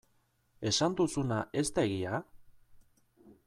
Esan duzuna ez da egia?